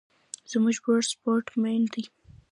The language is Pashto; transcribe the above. زما ورور سپورټ مین ده